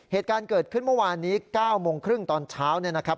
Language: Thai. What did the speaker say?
เหตุการณ์เกิดขึ้นเมื่อวานนี้๙โมงครึ่งตอนเช้าเนี่ยนะครับ